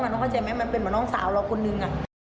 น้องเข้าใจไหมมันเป็นเหมือนน้องสาวเราคนนึง